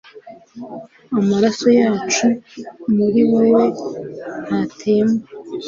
Amaraso yacu muri wewe ntatemba